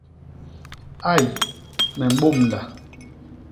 Ai me mbômda.